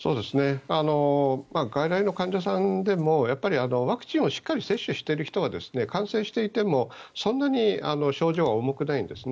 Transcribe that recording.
外来の患者さんでもワクチンをしっかり接種している人は感染していても、そんなに症状は重くないんですね。